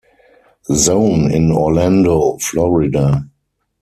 Zone in Orlando, Florida.